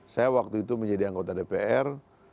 saya waktu itu menjadi anggota dpr